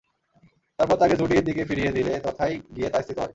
তারপর তাকে জুদীর দিকে ফিরিয়ে দিলে তথায় গিয়ে তা স্থিত হয়।